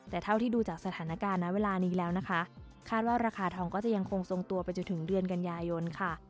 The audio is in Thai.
แต่เท่าที่ดูจากสถานการณ์นะเวลานี้แล้วนะคะคาดว่าราคาทองก็จะยังคงทรงตัวไปจนถึงเดือนกันยายนค่ะ